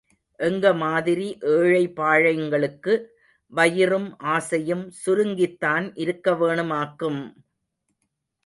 எங்க மாதிரி எழை பாழைங்களுக்கு வயிறும் ஆசையும் சுருங்கித்தான் இருக்கவேனுமாக்கும்!